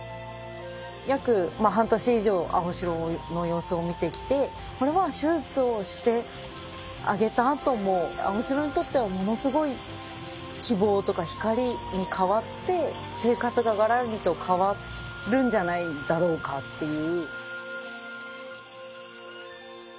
約半年以上アオシロの様子を見てきてこれは手術をしてあげたあともアオシロにとってはものすごい希望とか光に変わって生活ががらりと変わるんじゃないだろうかっていう。